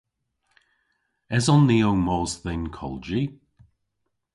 Eson ni ow mos dhe'n kolji?